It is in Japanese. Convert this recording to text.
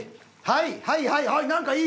はいはいはい！